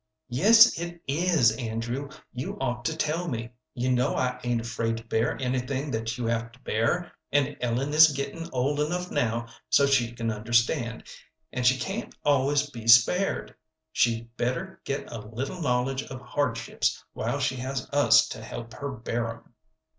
"Yes, it is. Andrew, you ought to tell me. You know I ain't afraid to bear anything that you have to bear, and Ellen is getting old enough now, so she can understand, and she can't always be spared. She'd better get a little knowledge of hardships while she has us to help her bear 'em."